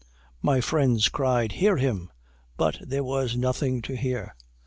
My friends cried 'Hear him!' but there was nothing to hear.